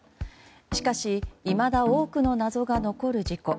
しかし、いまだ多くの謎が残る事故。